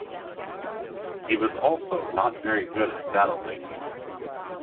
He was also not very good at saddle making.